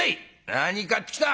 「何買ってきた？」。